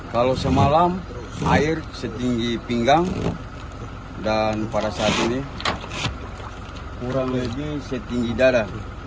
kalau semalam air setinggi pinggang dan pada saat ini kurang lebih setinggi darah